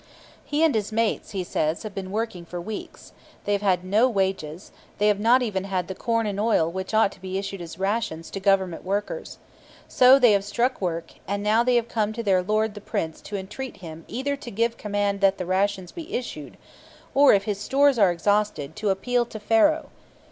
He and his mates, he says, have been working for weeks. They have had no wages; they have not even had the corn and oil which ought to be issued as rations to Government workmen. So they have struck work, and now they have come to their lord the Prince to entreat him either to give command that the rations be issued, or, if his stores are exhausted, to appeal to Pharaoh.